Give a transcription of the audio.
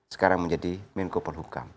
sekarang menjadi menko polhukam